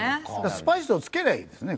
スパイスを付ければいいですね。